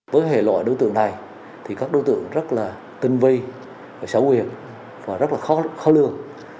với hệ loại đối tượng này thì các đối tượng rất là tinh vi xảo quyện và rất là khó lương